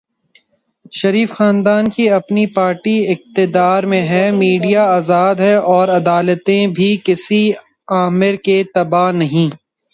شریف خاندان کی اپنی پارٹی اقتدار میں ہے، میڈیا آزاد ہے اور عدالتیں بھی کسی آمر کے تابع نہیں۔